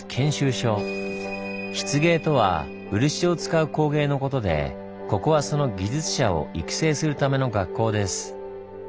漆芸とは漆を使う工芸のことでここはその技術者を育成するための学校です。